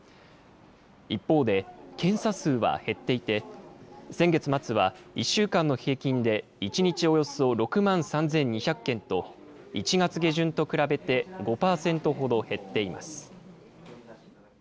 一方で検査数は減っていて、先月末は１週間の平均で１日およそ６万３２００件と、１月下旬と比べて５％ほど減っています。